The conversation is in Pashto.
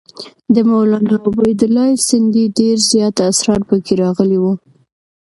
د مولنا عبیدالله سندي ډېر زیات اسرار پکې راغلي وو.